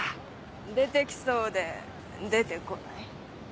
出てきそうで出てこない。